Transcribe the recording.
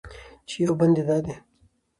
چې یو بند یې دا دی: